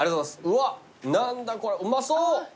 うわ何だこれうまそう。